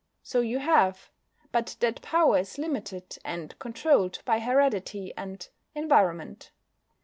So you have, but that power is limited and controlled by heredity and environment.